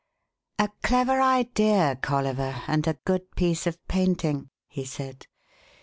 "A clever idea, Colliver, and a good piece of painting," he said.